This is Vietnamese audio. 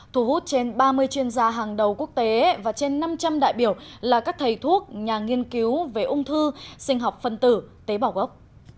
thu hút trên ba mươi chuyên gia hàng đầu quốc tế và trên năm trăm linh đại biểu là các thầy thuốc nhà nghiên cứu về ung thư sinh học phân tử tế bảo gốc